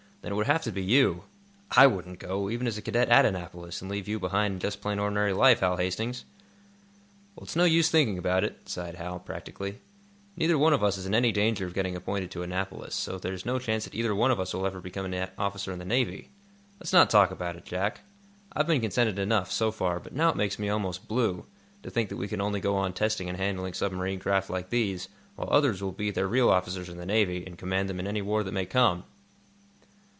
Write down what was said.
"Then it would have to be you. I wouldn't go, even as a cadet at Annapolis, and leave you behind in just plain, ordinary life, Hal Hastings!" "Well, it's no use thinking about it," sighed Hal, practically. "Neither one of us is in any danger of getting appointed to Annapolis, so there's no chance that either one of us ever will become an officer in the Navy. Let's not talk about it, Jack. I've been contented enough, so far, but now it makes me almost blue, to think that we can only go on testing and handling submarine craft like these, while others will be their real officers in the Navy, and command them in any war that may come."